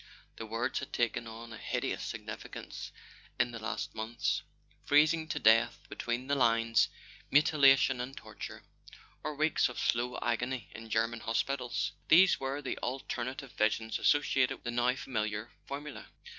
The words had taken on a hideous significance in the last months. Freezing to death between the lines, mutilation and torture, or weeks of slow agony in German hospitals: these were the alternative visions associated with the now familiar formula.